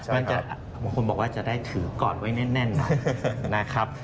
มันจะคุณบอกว่าจะได้ถือกอดไว้แน่นหน่อยนะครับ